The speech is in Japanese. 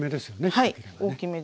はい。